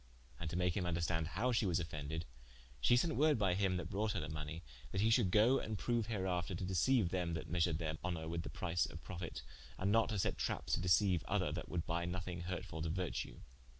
And to make him vnderstande howe she was offended, shee sent woorde by him that brought her the money, that he should goe and proue hereafter to deceiue them that measured their honour with the price of profite, and not to sette trappes to deceiue other that would buye nothing hurtfull to vertue.